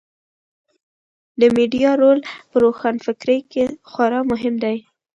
د میډیا رول په روښانفکرۍ کې خورا مهم دی.